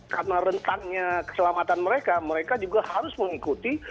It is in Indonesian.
karena rentannya keselamatan mereka mereka juga harus mengikuti